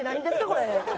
これ。